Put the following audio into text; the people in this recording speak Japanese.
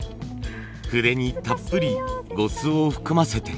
筆にたっぷり呉須を含ませて。